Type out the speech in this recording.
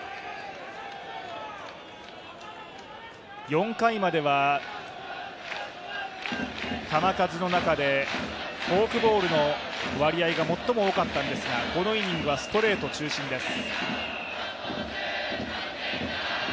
４回までは球数の中でフォークボールの割合が最も多かったんですが、このイニングはストレート中心です。